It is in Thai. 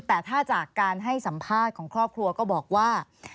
แต่ถ้าจากการให้สัมภาษณ์ของครอบครัวก็บอกว่า